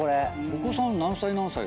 お子さん何歳何歳ですか？